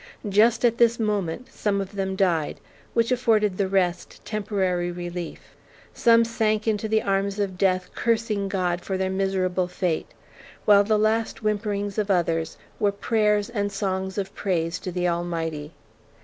Just at this moment some of them died, which afforded the rest temporary relief. Some sank into the arms of death cursing God for their miserable fate, while the last whisperings of others were prayers and songs of praise to the Almighty.